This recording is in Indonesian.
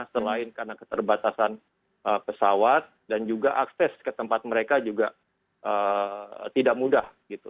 selain karena keterbatasan pesawat dan juga akses ke tempat mereka juga tidak mudah